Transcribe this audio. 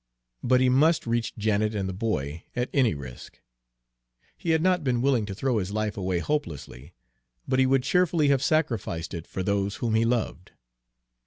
But he must reach Janet and the boy at any risk. He had not been willing to throw his life away hopelessly, but he would cheerfully have sacrificed it for those whom he loved.